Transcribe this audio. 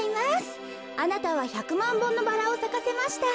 あなたは１００まんぼんのバラをさかせました。